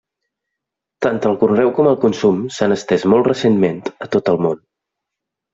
Tant el conreu com el consum s'han estès molt recentment a tot el món.